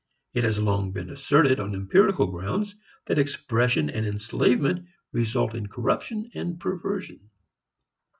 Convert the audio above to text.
It has long been asserted on empirical grounds that expression and enslavement result in corruption and perversion.